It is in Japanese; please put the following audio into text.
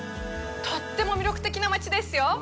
とっても魅力的な街ですよ。